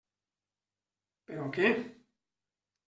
Però què?